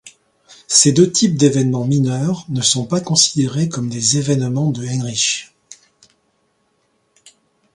Ces deux types d'événements mineurs ne sont pas considérés comme des événements de Heinrich.